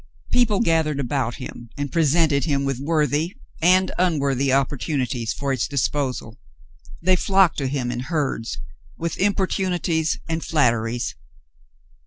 People gathered about him and presented him with worthy and unworthy opportunities for its disposal. They flocked to him in herds, with importunities and flatteries.